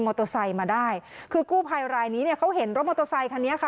โตไซค์มาได้คือกู้ภัยรายนี้เนี่ยเขาเห็นรถมอเตอร์ไซคันนี้ค่ะ